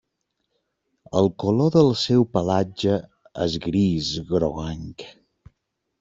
El color del seu pelatge és gris groguenc.